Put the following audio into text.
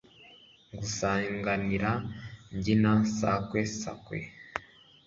ngusanganira mbyina sakwe sakwe